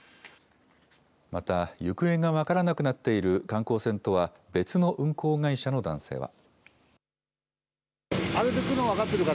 また行方が分からなくなっている観光船とは別の運航会社の男性は。